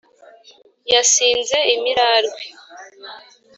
Yasinze imirarwe